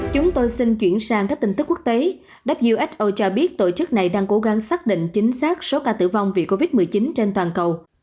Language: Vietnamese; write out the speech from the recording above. chúng tôi xin chuyển sang các tin tức quốc tế who cho biết tổ chức này đang cố gắng xác định chính xác số ca tử vong vì covid một mươi chín trên toàn cầu